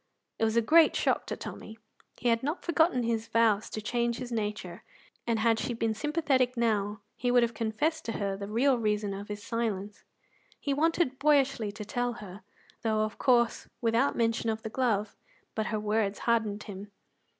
It was a great shock to Tommy. He had not forgotten his vows to change his nature, and had she been sympathetic now he would have confessed to her the real reason of his silence. He wanted boyishly to tell her, though of course without mention of the glove; but her words hardened him.